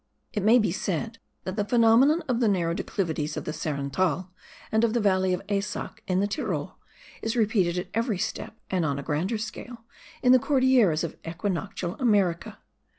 It may be said that the phenomenon of the narrow declivities of the Sarenthal and of the valley of Eysack in the Tyrol, is repeated at every step, and on a grander scale, in the Cordilleras of equinoctial America.